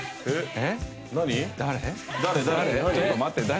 えっ？